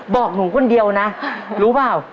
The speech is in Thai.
บอกหนูคนเดียวนะรู้เปล่า